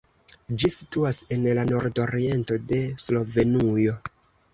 Ĝi situas en la nordoriento de Slovenujo.